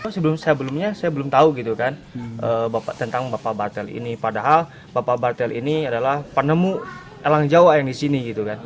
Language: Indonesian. sebelumnya saya belum tahu tentang bapak bartel ini padahal bapak bartel ini adalah penemu langjawa yang di sini